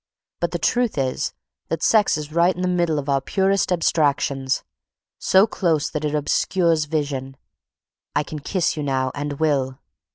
But the truth is that sex is right in the middle of our purest abstractions, so close that it obscures vision.... I can kiss you now and will.